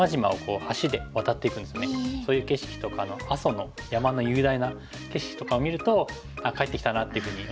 そういう景色とかの阿蘇の山の雄大な景色とかを見るとああ帰ってきたなっていうふうに思います。